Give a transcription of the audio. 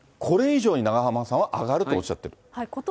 これ以上に永濱さんは上がるとおっしゃってる。